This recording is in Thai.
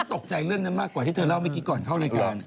ตกใจเรื่องนั้นมากกว่าที่เธอเล่าเมื่อกี้ก่อนเข้ารายการ